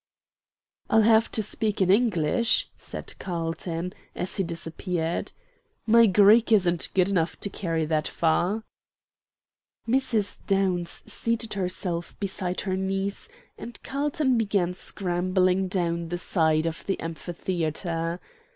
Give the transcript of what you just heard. "I'll have to speak in English," said Carlton, as he disappeared; "my Greek isn't good enough to carry that far." Mrs. Downs seated herself beside her niece, and Carlton began scrambling down the side of the amphitheatre.